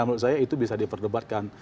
menurut saya itu bisa diperdebatkan